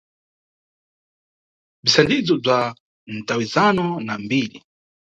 Bzithandizo bza mtawizano na mbiri.